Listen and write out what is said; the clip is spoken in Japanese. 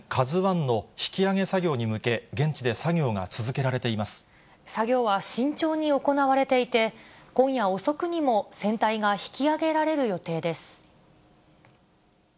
ＫＡＺＵＩの引き揚げ作業に向け、作業は慎重に行われていて、今夜遅くにも、船体が引き揚げられる予定です。